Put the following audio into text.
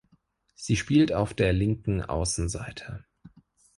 Sie spielt auf der linken Außenseite.